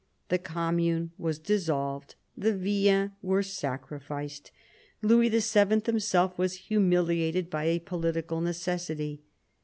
The commune was dissolved, the villeins were sacrificed, Louis VII. himself was humiliated, by a political necessity.